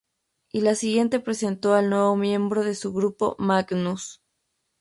Y la siguiente presentó al nuevo miembro de su grupo, Magnus.